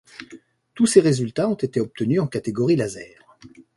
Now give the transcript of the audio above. Tous ces résultats ont été obtenus en catégorie Laser.